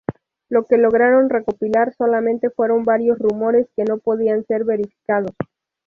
Lo que lograron recopilar solamente fueron varios rumores que no podían ser verificados.